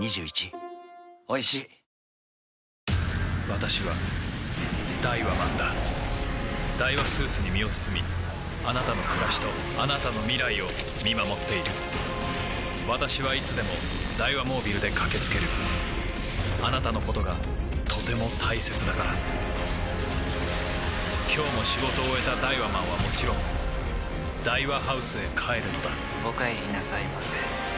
私はダイワマンだダイワスーツに身を包みあなたの暮らしとあなたの未来を見守っている私はいつでもダイワモービルで駆け付けるあなたのことがとても大切だから今日も仕事を終えたダイワマンはもちろんダイワハウスへ帰るのだお帰りなさいませ。